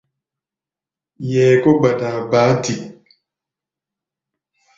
Yɛɛ kó gbadaa baá dik.